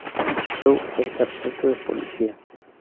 Lou es sargento de policía.